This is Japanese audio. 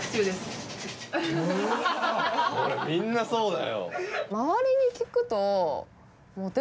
みんなそうだよ。